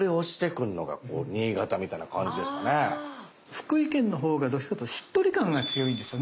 福井県のほうがどっちかというとしっとり感が強いんですよね。